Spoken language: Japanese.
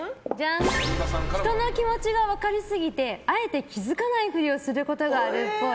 人の気持ちが分かりすぎてあえて気づかないふりをすることがあるっぽい。